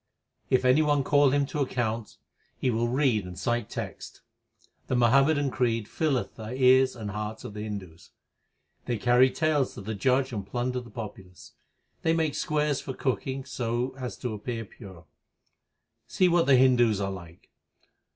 If any one call him to account, he will read and cite texts. The Muhammadan creed nlleth the ears and hearts of the Hindus. They carry tales to the judge and plunder the populace : j They make squares for cooking so as to appear pure. See what the Hindus are like.